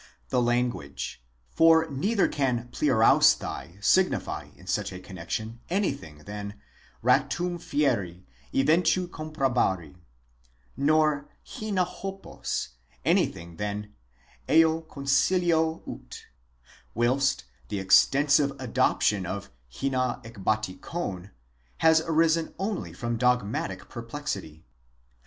The language: for neither can πληροῦσθαι signify in such connexion anything than vatum fieri, eventu comprobart, nor ἵνα ὅπως anything than eo consilio ut, whilst the extensive adoption of iva ἐκβατικὸν has arisen only from dogmatic perplexity.